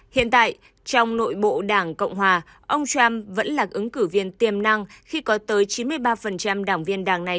hiện tại trong nội bộ đảng cộng hòa ông trump vẫn là ứng cử viên tiềm năng khi có tới chín mươi ba đảng viên đảng này